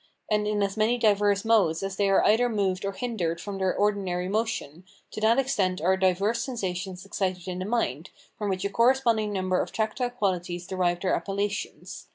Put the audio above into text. and in as many diverse modes as they are either moved or hindered from their ordinary motion, to that extent are diverse sensations excited in the mind, from which a corresponding number of tactile qualities derive their appellations.